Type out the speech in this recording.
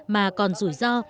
mà còn rủi ro